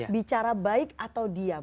bicara baik atau diam